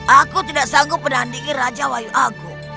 aku tidak sanggup menandingi raja wahyu agung